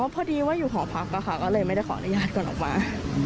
พอดีว่าอยู่หอพักก็เลยไม่ได้ขออนุญาตก่อนออกมา